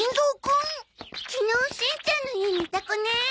昨日しんちゃんの家にいた子ね。